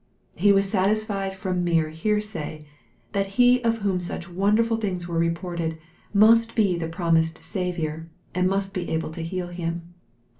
He was satis fied from mere hear say, that He of whom such wonderful things were reported, must be the promised Saviour, and must be able to heal him.